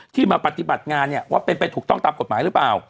มาปฏิบัติงานเนี่ยว่าเป็นไปถูกต้องตามกฎหมายหรือเปล่า